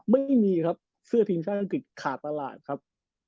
ไม่มีครับเสื้อทีมชาติอังกฤษขาดตลาดครับ